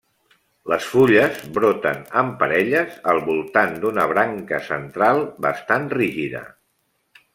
Les fulles broten en parelles al voltant d'una branca central bastant rígida.